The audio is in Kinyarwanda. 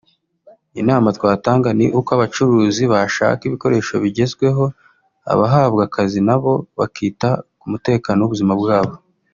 Inama twatanga ni uko abacukuzi bashaka ibikoresho bigezweho abahabwa akazi nabo bakita ku mutekano w’ubuzima bwabo”